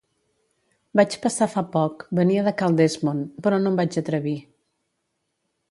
Vaig passar fa poc, venia de cal Dessmond, però no em vaig atrevir.